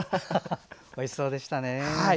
おいしそうでしたね。